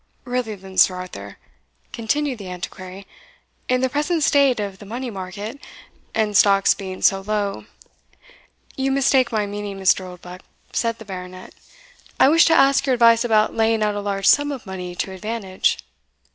"Really, then, Sir Arthur," continued the Antiquary, "in the present state of the money market and stocks being so low" "You mistake my meaning, Mr. Oldbuck," said the Baronet; "I wished to ask your advice about laying out a large sum of money to advantage."